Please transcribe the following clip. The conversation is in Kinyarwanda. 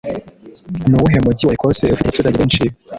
Nuwuhe mujyi wa Ecosse ufite abaturage benshi